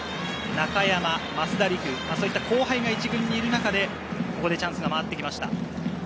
中山、増田陸、後輩が１軍にいる中で、ここでチャンスが回ってきました。